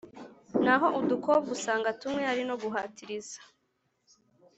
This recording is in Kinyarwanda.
Naho udukobwa usanga tumwe ari noguhatiriza